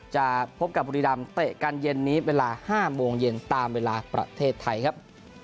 จะพบกับบุรีรำเตะกันเย็นนี้เวลา๕โมงเย็นตามเวลาประเทศไทยครับ